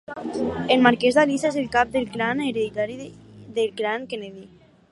El marquès d'Alisa és el cap del clan hereditari del clan Kennedy.